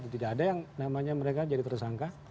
tidak ada yang namanya mereka jadi tersangka